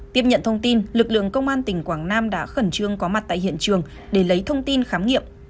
tiếp nhận thông tin lực lượng công an tỉnh quảng nam đã khẩn trương có mặt tại hiện trường để lấy thông tin khám nghiệm